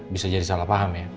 bisa jadi salah paham ya